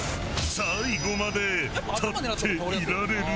最後まで立っていられるのか？